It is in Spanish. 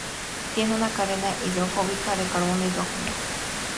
Tiene una cadena hidrofóbica de carbono e hidrógeno.